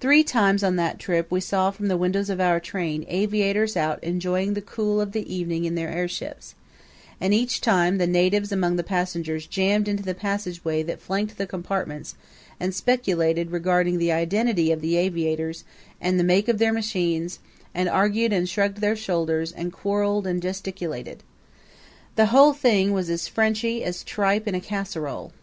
Three times on that trip we saw from the windows of our train aviators out enjoying the cool of the evening in their airships; and each time the natives among the passengers jammed into the passageway that flanked the compartments and speculated regarding the identity of the aviators and the make of their machines, and argued and shrugged their shoulders and quarreled and gesticulated. The whole thing was as Frenchy as tripe in a casserole.